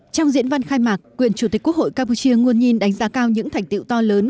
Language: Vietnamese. trong diễn văn khai mạc quyền chủ tịch quốc hội campuchia nguồn nhìn đánh giá cao những thành tiệu to lớn